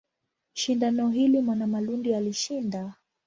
Shindano hili Mwanamalundi alishinda.